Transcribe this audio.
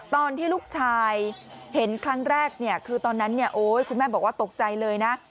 ตอนที่ลูกชายเห็นครั้งแรกเนี่ยคือตอนนั้นคุณแม่บอกว่าตกใจเลยนะ